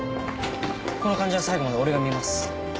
この患者最後まで俺が診ます。